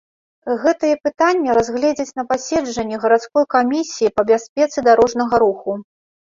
Гэтае пытанне разгледзяць на пасяджэнні гарадской камісіі па бяспецы дарожнага руху.